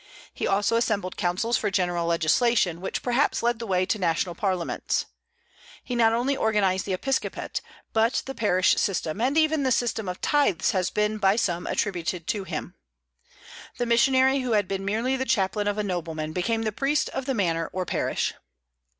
He also assembled councils for general legislation, which perhaps led the way to national parliaments. He not only organized the episcopate, but the parish system, and even the system of tithes has been by some attributed to him. The missionary who had been merely the chaplain of a nobleman became the priest of the manor or parish.